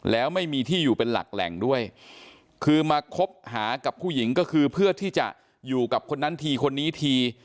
แล้วไม่มีที่อยู่เป็นหลักแหล่งด้วยคือมาคบหากับผู้หญิงก็คือเพื่อที่จะอยู่กับคนนั้นทีคนนี้ที